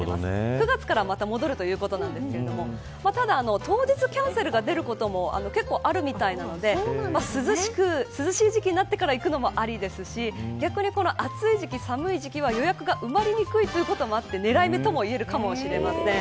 ９月からまた戻るということですがただ当日キャンセルが出ることも結構あるみたいなので涼しい時期になってから行くのもありですし逆に暑い時期、寒い時期は予約が埋まりにくいということもあって狙い目ともいえるかもしれません。